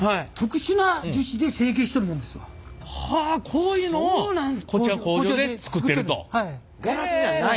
こういうのをこちらの工場で作ってると。